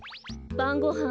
ばんごはん